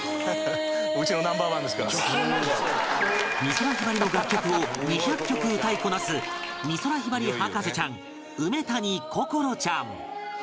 美空ひばりの楽曲を２００曲歌いこなす美空ひばり博士ちゃん梅谷心愛ちゃん